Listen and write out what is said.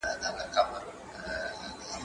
که وخت وي، سبا ته فکر کوم.